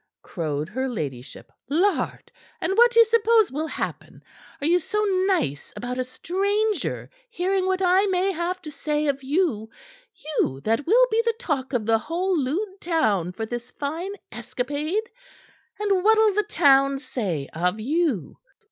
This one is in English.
crowed her ladyship. "Lard! And what d'ye suppose will happen? Are you so nice about a stranger hearing what I may have to say of you you that will be the talk of the whole lewd town for this fine escapade? And what'll the town say of you?"